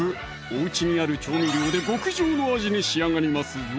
おうちにある調味料で極上の味に仕上がりますぞ！